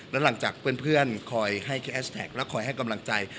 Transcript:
และหลังจากเพื่อนคอยให้แค่แอสแท็กและคอยให้กำลังใจ